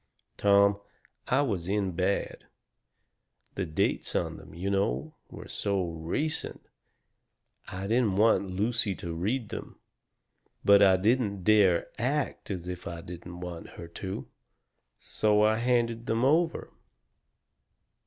"Tom, I was in bad. The dates on them, you know, were so RECENT. I didn't want Lucy to read them. But I didn't dare to ACT as if I didn't want her to. So I handed them over.